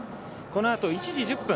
このあと１時１０分